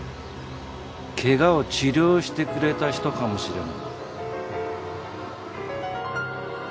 けがを治療してくれた人かもしれない。